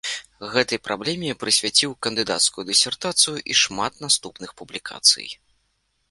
Гэтай праблеме прысвяціў кандыдацкую дысертацыю і шмат наступных публікацый.